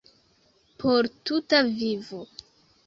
Por tuta vivo.